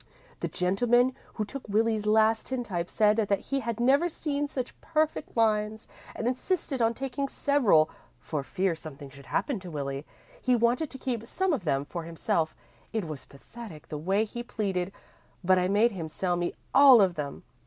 The gentleman who took Willie's last tintype said that he had never seen such perfect lines, and insisted on taking several for fear something should happen to Willie. He wanted to keep some of them for himself it was pathetic, the way he pleaded, but I made him sell me all of them.